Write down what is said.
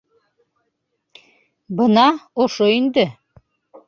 - Бына, ошо инде.